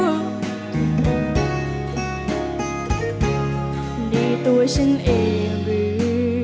ดีตัวฉันเองหรือ